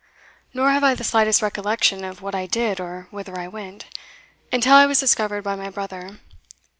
Nor have I the slightest recollection of what I did or whither I went, until I was discovered by my brother.